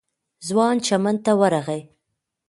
ځوان چمن ته ورغی.